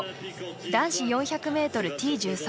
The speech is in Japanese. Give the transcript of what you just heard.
男子４００ｍＴ１３